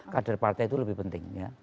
kader partai itu lebih penting